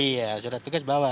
iya surat tugas bawa